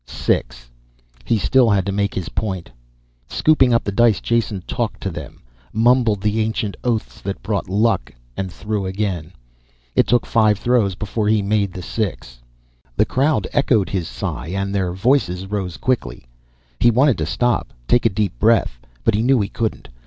Six. He still had to make his point. Scooping up the dice Jason talked to them, mumbled the ancient oaths that brought luck and threw again. It took five throws before he made the six. The crowd echoed his sigh and their voices rose quickly. He wanted to stop, take a deep breath, but he knew he couldn't.